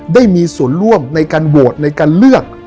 ได้มีส่วนร่วมในการโหวตในการเลือก